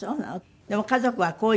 でも家族はこういう感じ？